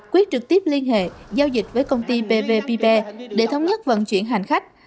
quyết trực tiếp liên hệ giao dịch với công ty ppp để thống nhất vận chuyển hành khách